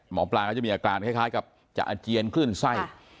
หมอปลาก็จะมีอาการคล้ายกับจะอาเจียนคลื่นไส้